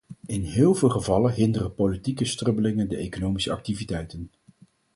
In heel veel gevallen hinderen politieke strubbelingen de economische activiteiten.